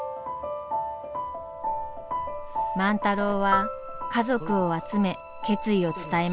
万太郎は家族を集め決意を伝えます。